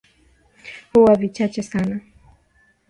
huwa vichache sana